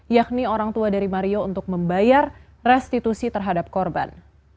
yakni orang tua dari mario untuk membayar restitusi terhadap korban